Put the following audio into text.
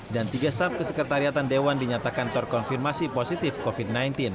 dan tiga staff kesekretariatan dewan dinyatakan terkonfirmasi positif covid sembilan belas